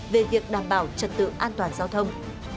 bảo trật tự an toàn giao thông